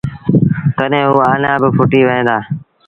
تڏهيݩ او آنآ با ڦُٽي وهيݩ دآ۔